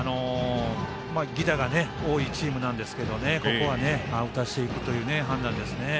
犠打が多いチームなんですけどここは打たしていくという判断ですね。